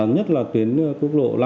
nhất là tuyến quốc lộ năm